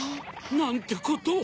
なんてことを。